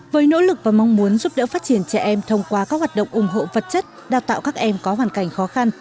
với nỗ lực và mong muốn giúp đỡ phát triển trẻ em thông qua các hoạt động ủng hộ vật chất đào tạo các em có hoàn cảnh khó khăn